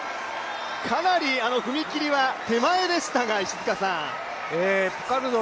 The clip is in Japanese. かなり踏み切りは手前でしたが、石塚さん？ピカルド